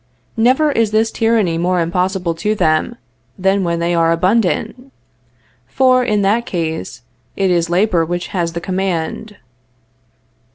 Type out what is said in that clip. Never is this tyranny more impossible to them, than when they are abundant; for, in that case, it is labor which has the command.